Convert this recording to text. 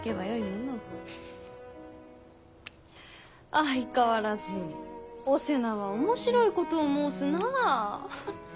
相変わらずお瀬名は面白いことを申すなぁ。